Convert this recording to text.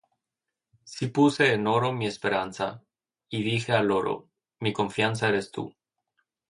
Si puse en oro mi esperanza, Y dije al oro: Mi confianza eres tú;